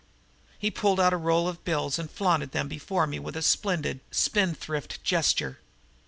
He pulled out a roll of bills and flaunted them before me with a splendid, spendthrift gesture.